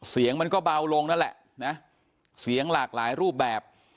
เสียงมันก็เบาลงนั่นแหละนะเสียงหลากหลายรูปแบบ